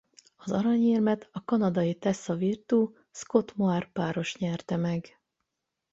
Az aranyérmet a kanadai Tessa Virtue–Scott Moir-páros nyerte meg.